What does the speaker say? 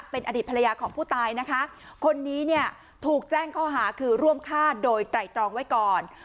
เป็นอดีตภรรยาของผู้ตายนะคะคนนี้เนี่ยถูกแจ้งข้อหาคือร่วมฆ่าโดยไตรตรองไว้ก่อน